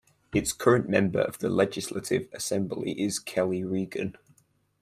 Its current Member of the Legislative Assembly is Kelly Regan.